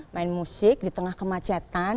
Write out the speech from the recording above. main musik di tengah kemacetan